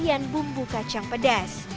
ada isian bumbu kacang pedas